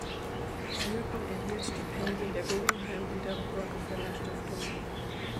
Newton erhielt Stipendien der Guggenheim- und der Rockefeller-Stiftung.